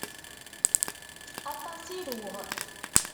Aṭas i ruɣ.